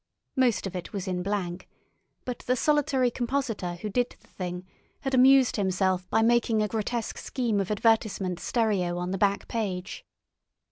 Most of it was in blank, but the solitary compositor who did the thing had amused himself by making a grotesque scheme of advertisement stereo on the back page.